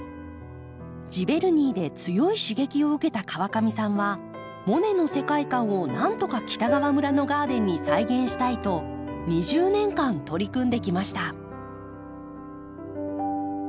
ジヴェルニーで強い刺激を受けた川上さんはモネの世界観をなんとか北川村のガーデンに再現したいと２０年間取り組んできました。